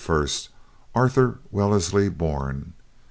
Arthur Wellesley born.